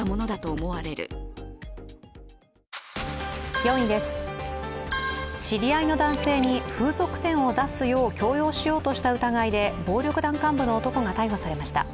４位です、知り合いの男性に風俗店を出すよう強要した疑いで暴力団幹部の男が逮捕されました。